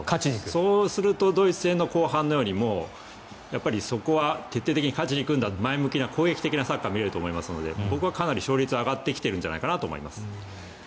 そうするとドイツ戦の後半のようにそこは徹底的に勝ちに行くんだと前向きな攻撃的なサッカーが見れると思いますので僕はかなり、勝率は上がってきているんじゃないかなと思います。